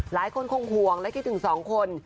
หลายคนคงห่วงและคิดถึงสองคน